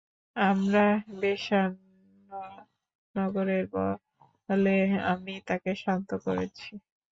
আমরা বেসান্তনগরের বলে আমি তাকে শান্ত করেছি।